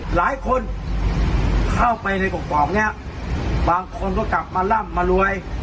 หลายคนเข้าไปในกรอบนี้บางคนก็กลับมาร่ำมารวย